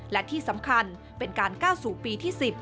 และที่สำคัญเป็นการก้าวสู่ปีที่๑๐